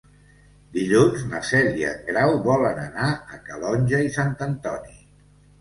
Dilluns na Cel i en Grau volen anar a Calonge i Sant Antoni.